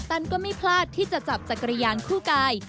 ตันก็ไม่พลาดที่จะจับจักรยานคู่กาย